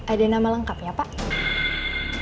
ada nama lengkapnya pak